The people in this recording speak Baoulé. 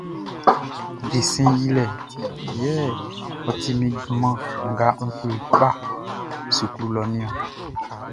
Desɛn yilɛʼn yɛ ɔ ti min junman nga n klo i kpa suklu lɔʼn niɔn.